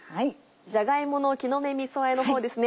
じゃが芋の木の芽みそあえの方ですね。